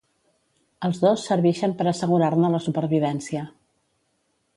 Els dos servixen per assegurar-ne la supervivència.